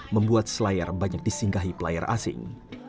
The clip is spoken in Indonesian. membuat selayar banyak disinggahi pelayar asing